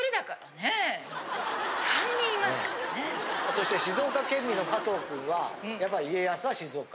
そして静岡県民の加藤君はやっぱり家康は静岡？